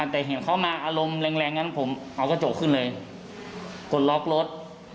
แต่เห็นเขามาอารมณ์แรงงั้นผมเอากระจกขึ้นเลยกดล็อกรถ